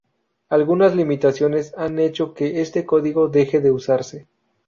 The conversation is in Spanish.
Algunas limitaciones han hecho que este código deje de usarse.